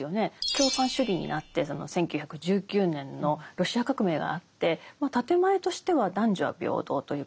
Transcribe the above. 共産主義になってその１９１９年のロシア革命があって建て前としては男女は平等ということになっていました。